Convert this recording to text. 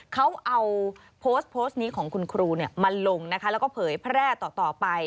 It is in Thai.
เขาเอาโพสต์โพสต์นี้ของคุณครูมาลงนะคะแล้วก็เผยแพร่ต่อไป